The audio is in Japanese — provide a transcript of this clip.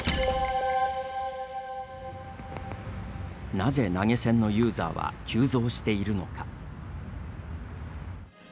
なぜ投げ銭のユーザーは急増しているのか。